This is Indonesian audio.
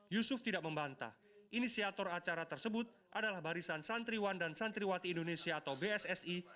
yusuf tidak membantah inisiator acara tersebut adalah barisan santriwan dan santriwati indonesia atau bssi